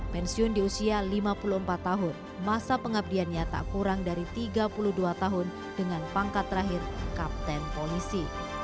pensiun di usia lima puluh empat tahun masa pengabdiannya tak kurang dari tiga puluh dua tahun dengan pangkat terakhir kapten polisi